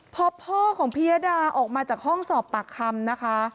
พอพ่อของพิยดาออกมาจากห้องสอบปากคำนะคะ